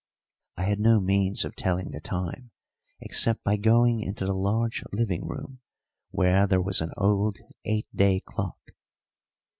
I had no means of telling the time, except by going into the large living room, where there was an old eight day clock.